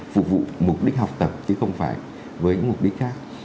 phục vụ mục đích học tập chứ không phải với mục đích khác